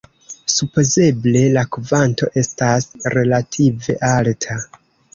Supozeble la kvanto estas relative alta.